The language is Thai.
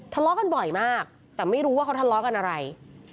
ทะเลาะกันบ่อยมากแต่ไม่รู้ว่าเขาทะเลาะกันอะไร